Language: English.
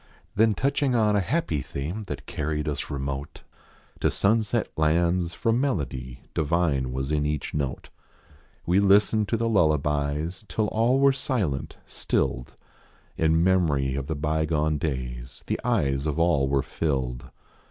Then touching on a happy theme That carried us remote. To sunset lands, for melody Divine was in each note. We listened to the lullabies Till all were silent, stilled. In memory of the bygone days, The eyes of all were filled.